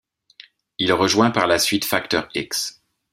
Il rejoint par la suite Facteur-X.